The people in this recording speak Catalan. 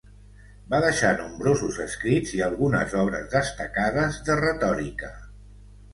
Va deixar nombrosos escrits i algunes obres destacades de retòrica.